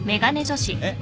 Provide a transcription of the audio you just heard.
えっ？